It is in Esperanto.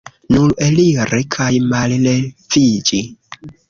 Nur eliri kaj malleviĝi!